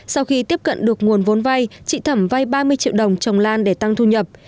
sau khi tiếp cận được nguồn vốn vay chị thẩm vay ba mươi triệu đồng trồng lan để tăng thu nhập